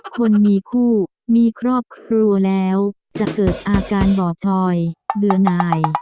คนมีคู่มีครอบครัวแล้วจะเกิดอาการบ่อชอยเบื่อหน่าย